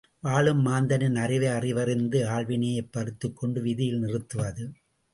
வாழும் மாந்தனின் அறிவை, அறிவறிந்த ஆள்வினையைப் பறித்துக்கொண்டு வீதியில் நிறுத்துவது.